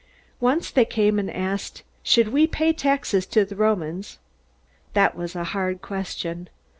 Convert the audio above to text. Once they came and asked, "Should we pay taxes to the Romans?" That was a hard question.